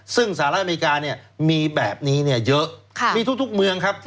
ซึ่งสหรัฐอเมริกาเนี่ยมีแบบนี้เนี่ยเยอะมีทุกเมืองครับ